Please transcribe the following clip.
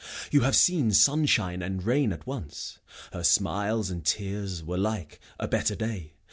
You have seen Sunshine and rain at once: her smiles and tears Were like, a better way.